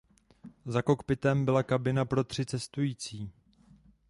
Za kokpitem byla kabina pro tři cestující.